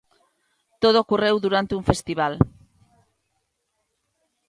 Todo ocorreu durante un festival.